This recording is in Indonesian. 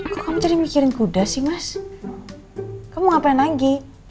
kok kamu cari mikirin kuda sih mas kamu ngapain lagi